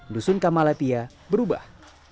dusun kamalapia berubah